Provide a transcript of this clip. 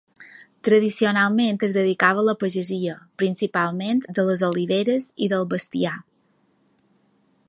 Tradicionalment es dedicava a la pagesia, principalment de les oliveres i del bestiar.